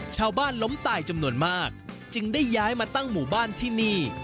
ชาวบ้านล้มตายจำนวนมากจึงได้ย้ายมาตั้งหมู่บ้านที่นี่